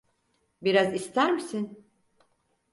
Biraz ister misin?